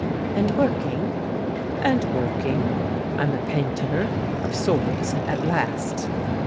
"And working?" "And working. I'm a painter, of sorts, at last."